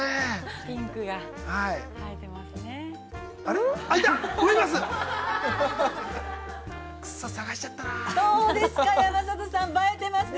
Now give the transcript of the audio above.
◆ピンクが映えていますね。